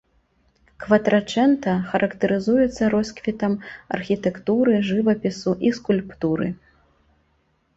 Кватрачэнта характарызуецца росквітам архітэктуры, жывапісу і скульптуры.